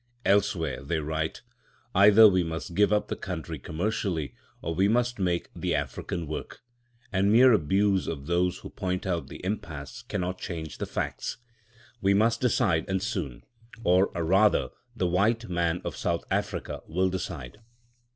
Elsewhere they write: "Either we must give up the country commercially, or we must make the African work. And mere abuse of those who point out the impasse cannot change the facts. We must decide, and soon. Or rather the white man of South Africa will decide."